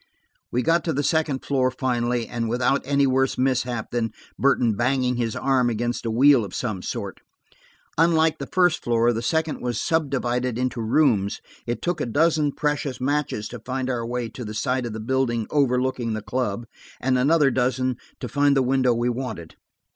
We got to the second floor, finally, and without any worse mishap than Burton banging his arm against a wheel of some sort. Unlike the first floor, the second was subdivided into rooms; it took a dozen precious matches to find our way to the side of the building overlooking the club, and another dozen to find the window we wanted.